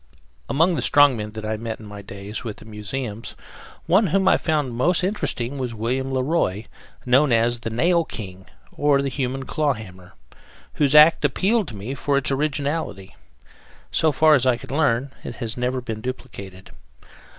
Among the strongmen that I met during my days with the museums, one whom I found most interesting was William Le Roy, known as The Nail King and The Human Claw Hammer, whose act appealed to me for its originality. So far as I could learn, it had never been duplicated.